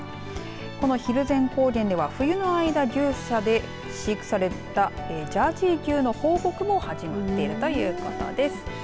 この蒜山高原では冬の間、牛舎で飼育されたジャージー牛の放牧も始まっているということです。